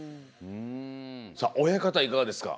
さあ親方いかがですか？